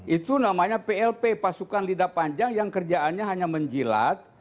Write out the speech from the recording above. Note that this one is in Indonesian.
itu namanya plp pasukan lidah panjang yang kerjaannya hanya menjilat